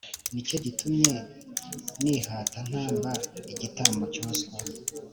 Nicyo gitumye nihata ntamba igitambo cyoswa.